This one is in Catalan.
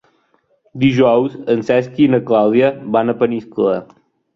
Dijous en Cesc i na Clàudia van a Peníscola.